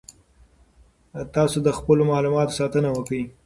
تاسو د خپلو معلوماتو ساتنه وکړئ.